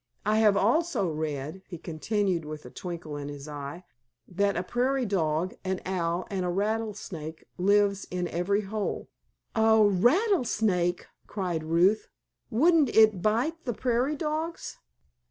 I have also read," he continued with a twinkle in his eyes, "that a prairie dog, an owl, and a rattlesnake lives in every hole." "A rattlesnake?" cried Ruth. "Wouldn't it bite the prairie dogs?"